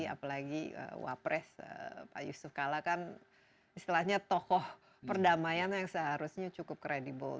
apalagi wapres pak yusuf kalla kan istilahnya tokoh perdamaian yang seharusnya cukup kredibel